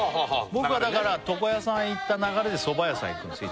僕はだから床屋さん行った流れでそば屋さん行くんですよ